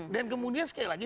dan kemudian sekali lagi